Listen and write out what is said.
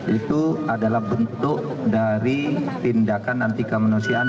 itu adalah bentuk dari tindakan anti kemanusiaan